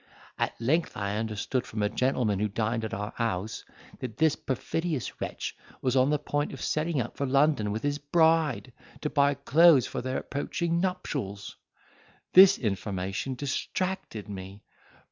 At length I understood from a gentleman who dined at our house, that this perfidious wretch was on the point of setting out for London with his bride, to buy clothes for their approaching nuptials. This information distracted me!